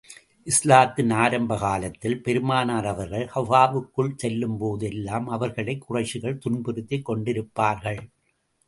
இஸ்லாத்தின் ஆரம்ப காலத்தில், பெருமானார் அவர்கள் கஃபாவுக்குள் செல்லும் போது எல்லாம், அவர்களைக் குறைஷிகள் துன்புறுத்திக் கொண்டிருப்பார்கள்.